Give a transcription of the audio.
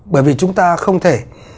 bởi vì chúng ta không thể